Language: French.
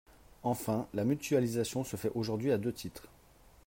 Enfin, la mutualisation se fait aujourd’hui à deux titres.